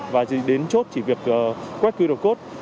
và đến chốt chỉ việc quét qr code